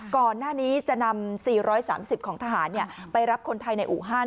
ก่อนหน้านี้จะนำ๔๓๐ของทหารไปรับคนไทยในอู่ฮัน